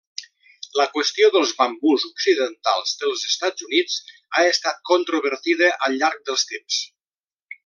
La qüestió dels bambús occidentals dels Estats Units ha estat controvertida al llarg dels temps.